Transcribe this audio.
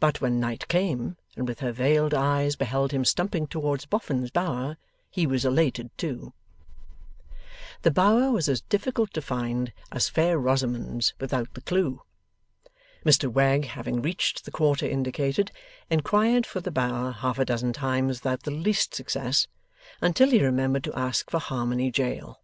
But, when night came, and with her veiled eyes beheld him stumping towards Boffin's Bower, he was elated too. The Bower was as difficult to find, as Fair Rosamond's without the clue. Mr Wegg, having reached the quarter indicated, inquired for the Bower half a dozen times without the least success, until he remembered to ask for Harmony Jail.